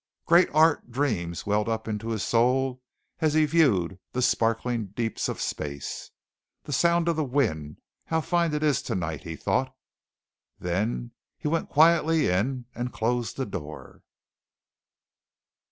Great art dreams welled up into his soul as he viewed the sparkling deeps of space. "The sound of the wind how fine it is tonight," he thought. Then he went quietly in and closed the door.